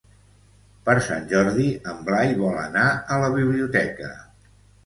Per Sant Jordi en Blai vol anar a la biblioteca.